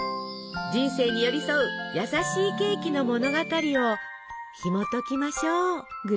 人生に寄り添う優しいケーキの物語をひもときましょう。